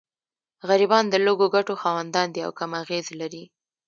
غریبان د لږو ګټو خاوندان دي او کم اغېز لري.